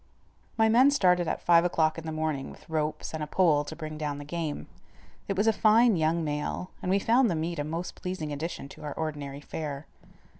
My men started at five o'clock in the morning with ropes and a pole to bring down the game. It was a fine young male, and we found the meat a most pleasing addition to our ordinary fare.